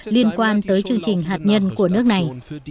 liên quan tới chương trình hạt nhân của nước này